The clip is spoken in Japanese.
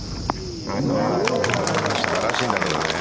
素晴らしいんだけどね。